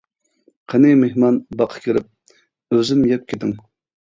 قېنى مېھمان باغقا كىرىپ، -ئۈزۈم يەپ كېتىڭ.